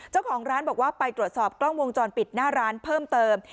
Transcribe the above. เจ้าของร้านบอกว่าไปตรวจสอบกล้องวงจรปิดหน้าร้านเพิ่มเติม